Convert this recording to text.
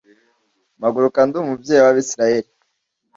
mpaguruka ndi umubyeyi w abisirayeli